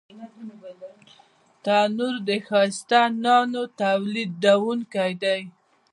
تنور د ښایسته نانو تولیدوونکی دی